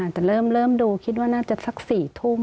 แต่เริ่มดูคิดว่าน่าจะสัก๔ทุ่ม